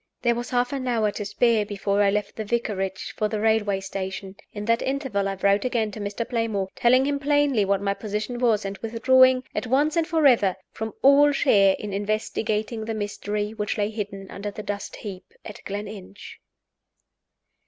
There was half an hour to spare before I left the vicarage for the railway station. In that interval I wrote again to Mr. Playmore, telling him plainly what my position was, and withdrawing, at once and forever, from all share in investigating the mystery which lay hidden under the dust heap at Gleninch.